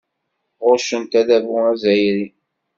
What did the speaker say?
Ɣuccent adabu azzayri.